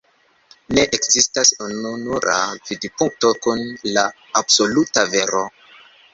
Ne ekzistas ununura vidpunkto kun la absoluta vero.